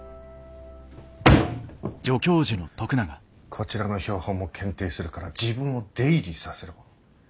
こちらの標本も検定するから自分を出入りさせろ？